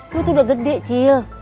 lo tuh udah gede cil